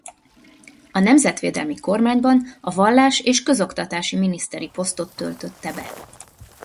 A nemzetvédelmi kormányban a vallás- és közoktatási miniszteri posztot töltötte be.